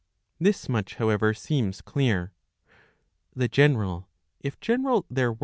This much, however, seems clear. The general, if general there.